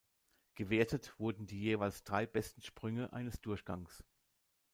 Gewertet wurden die jeweils drei besten Sprünge eines Durchgangs.